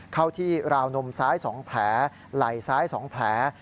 เข้าที่ราวนมซ้าย๒แผลไหล่ซ้าย๒แผล